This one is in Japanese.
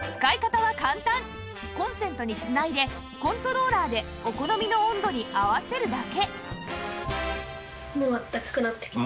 コンセントに繋いでコントローラーでお好みの温度に合わせるだけ！